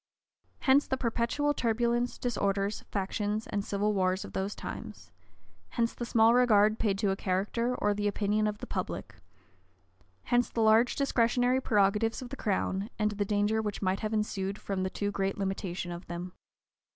Hence the perpetual turbulence, disorders, factions, and civil wars of those times: hence the small regard paid to a character, or the opinion of the public: hence the large discretionary prerogatives of the crown, and the danger which might have ensued from the too great limitation of them.